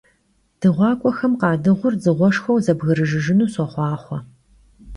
Dığuak'uexem khadığur dzığueşşxueu zebgrıjjıjjınu soxhuaxhue!